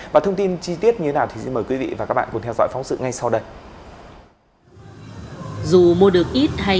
và thông tin chi tiết như thế nào thì xin mời quý vị và các bạn cùng theo dõi phóng sự ngay sau đây